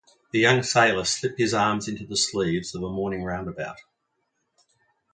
The young sailor slipped his arms into the sleeves of a morning roundabout.